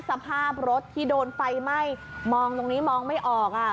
สภาพรถที่โดนไฟไหม้มองตรงนี้มองไม่ออกอ่ะ